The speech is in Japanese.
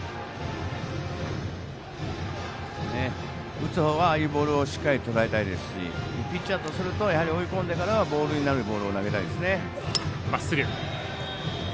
打つほうはああいうボールをしっかりとらえたいですしピッチャーとするとやはり追い込んでからのボールになるボールを投げたいですね。